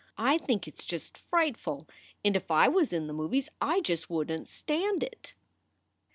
I think it s just frightiul and if I was in the movies I just wouldn t stand it."